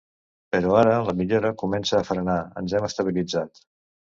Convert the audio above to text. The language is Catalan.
Però ara la millora comença a frenar, ens hem estabilitzat.